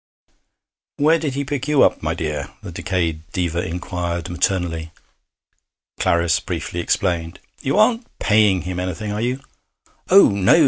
'Where did he pick you up, my dear?' the decayed diva inquired maternally. Clarice briefly explained. 'You aren't paying him anything, are you?' 'Oh, no!'